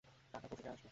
টাকা কোত্থেকে আসবে?